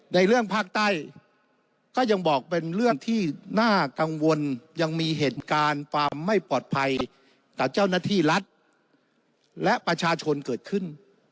ในเรื่องภาคใต้ก็ยังบอกเป็นเรื่องที่น่ากังวลยังมีเหตุการณ์ความไม่ปลอดภัยต่อเจ้าหน้าที่รัฐและประชาชนเกิดขึ้น